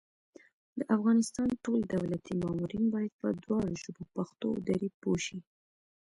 د افغانستان ټول دولتي مامورین بايد په دواړو ژبو پښتو او دري پوه شي